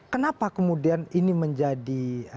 kenapa kemudian ini menjadi